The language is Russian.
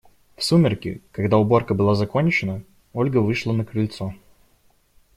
В сумерки, когда уборка была закончена, Ольга вышла на крыльцо.